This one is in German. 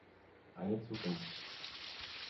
Eine Zukunft.